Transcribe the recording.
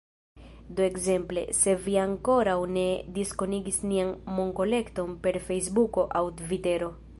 Do ekzemple, se vi ankoraŭ ne diskonigis nian monkolekton per Fejsbuko aŭ Tvitero